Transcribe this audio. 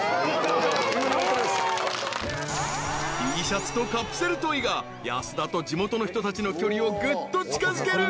［Ｔシャツとカプセルトイが安田と地元の人たちの距離をぐっと近づける］